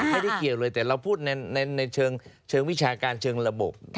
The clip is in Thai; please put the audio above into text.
ไม่ได้เกี่ยวเลยแต่เราพูดในเชิงวิชาการเชิงระบบ